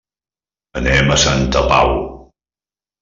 Anem a Santa Pau.